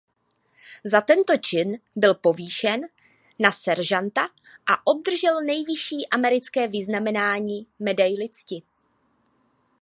Za tento čin byl povýšen na seržanta a obdržel nejvyšší americké vyznamenání Medaili cti.